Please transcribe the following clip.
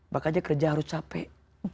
maka dia kerja harus capek